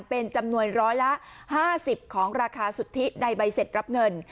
เป็นจำนวนร้อยละ๕๐ของราคาสุทธิในใบเสร็จรับเงิน